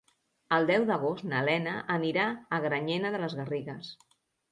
El deu d'agost na Lena anirà a Granyena de les Garrigues.